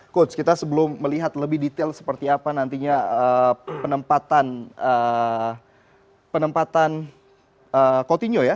coach kita sebelum melihat lebih detail seperti apa nantinya penempatan penempatan coutinho ya